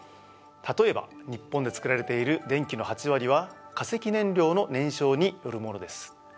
例えば日本で作られている電気の８割は化石燃料の燃焼によるものです。